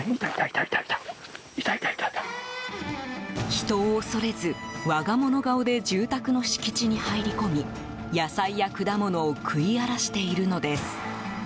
人を恐れず、我が物顔で住宅の敷地に入り込み野菜や果物を食い荒らしているのです。